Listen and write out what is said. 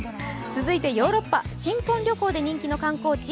続いてヨーロッパ新婚旅行で人気の観光地